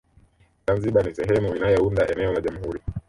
Zanzibar ni sehemu inayounda eneo la Jamhuri